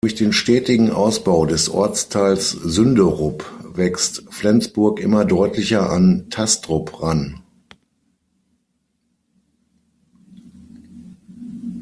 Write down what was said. Durch den stetigen Ausbau des Ortsteils Sünderup wächst Flensburg immer deutlicher an Tastrup ran.